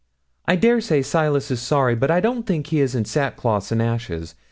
I dare say Silas is sorry, but I don't think he is in sackcloth and ashes.